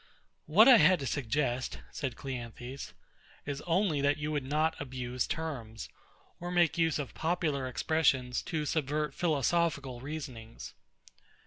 What I had to suggest, said CLEANTHES, is only that you would not abuse terms, or make use of popular expressions to subvert philosophical reasonings.